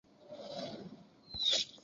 我们这边还在堵车，活动可能要延期了。